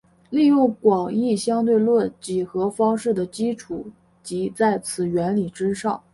利用广义相对论几何方式的基础即在此原理之上。